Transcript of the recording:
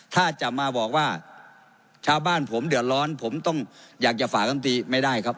ถ้าจะมาบอกว่าชาวบ้านผมเดือดร้อนผมต้องอยากจะฝากลำตีไม่ได้ครับ